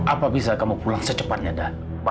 apa bisa kamu pulang secepatnya dan